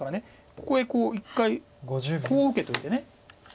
ここへ１回こう受けといて。